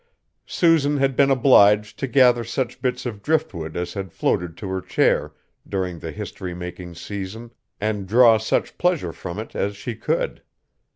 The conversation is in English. Susan had been obliged to gather such bits of driftwood as had floated to her chair, during the history making season, and draw such pleasure from it as she could.